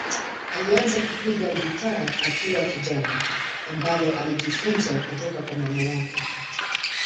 Alianza kupiga gitaa akiwa kijana, ambalo alijifunza kutoka kwa mama yake.